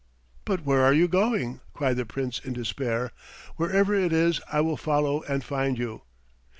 "But where are you going?" cried the Prince in despair. "Wherever it is I will follow and find you."